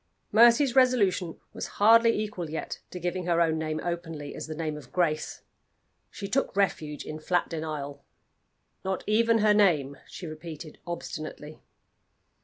Mercy's resolution was hardly equal yet to giving her own name openly as the name of Grace. She took refuge in flat denial. "Not even her name," she repeated obstinately.